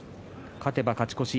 勝てば勝ち越し。